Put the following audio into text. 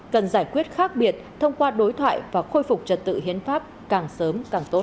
cần giải quyết khác biệt thông qua đối thoại và khôi phục trật tự hiến pháp càng sớm càng tốt